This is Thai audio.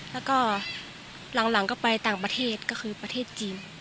แล้วก็หลังก็ไปต่างประเทศก็คือประเทศจีน